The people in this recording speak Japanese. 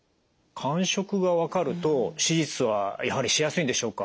感触が分かると手術はやはりしやすいんでしょうか？